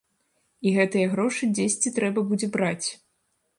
І гэтыя грошы дзесьці трэба будзе браць.